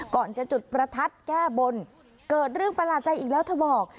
ก่อนจะจุดประทัดแก้บนเกิดเรื่องประหลาดใจอีกแล้วเธอบอก